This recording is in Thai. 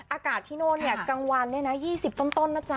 อากาศที่โน่นเนี่ยกลางวันเนี่ยนะ๒๐ต้นนะจ๊